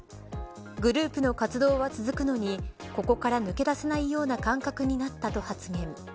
グループの活動は続くのにここから抜け出さないような感覚になったと発言。